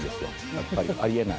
やっぱりありえない。